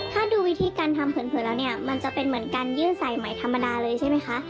ถ้าดูวิธีการทำเผินแล้วเนี่ยมันจะเป็นเหมือนการยื่นสายใหม่ธรรมดาเลยใช่ไหมคะ